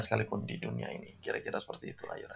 sekalipun di dunia ini kira kira seperti itulah